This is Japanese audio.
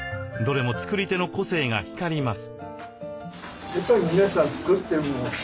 どれも作り手の個性が光ります。